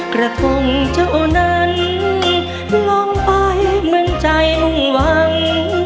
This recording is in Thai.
กระทงเท่านั้นลองไปเหมือนใจมุ่งหวัง